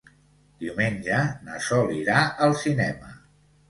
Diumenge na Sol irà al cinema.